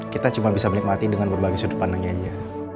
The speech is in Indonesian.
kita cuma bisa menikmati dengan berbagai sudut pandangnya aja